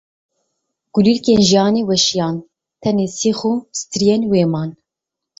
Kulîlkên jiyanê weşiyan, tenê sîx û striyên wê man.